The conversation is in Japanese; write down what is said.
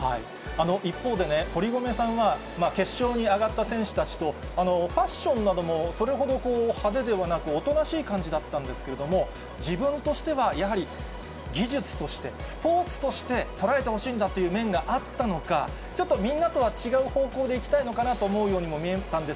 一方でね、堀米さんは、決勝に上がった選手たちと、ファッションなどもそれほど派手ではなく、おとなしい感じだったんですけれども、自分としては、やはり、技術として、スポーツとして捉えてほしいんだという面があったのか、ちょっとみんなとは違う方向でいきたいのかなと思うふうにも見えたんです、